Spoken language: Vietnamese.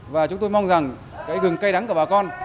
và chúng tôi mong rằng cái gừng cây đắng của bà con